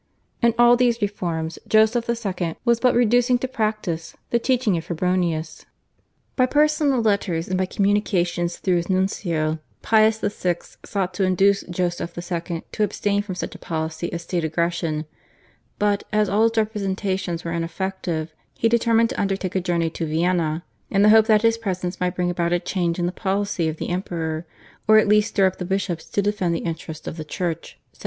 In all these reforms Joseph II. was but reducing to practice the teaching of Febronius. By personal letters and by communications through his nuncio Pius VI. sought to induce Joseph II. to abstain from such a policy of state aggression; but, as all his representations were ineffective, he determined to undertake a journey to Vienna, in the hope that his presence might bring about a change in the policy of the Emperor, or at least stir up the bishops to defend the interests of the Church (1782).